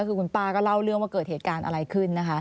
คือคุณป้าก็เล่าเรื่องว่าเกิดเหตุการณ์อะไรขึ้นนะคะ